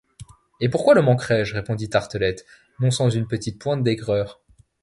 Et pourquoi le manquerais-je? répondit Tartelett, non sans une petite pointe d’aigreur.